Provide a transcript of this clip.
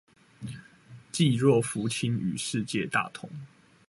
濟弱扶傾與世界大同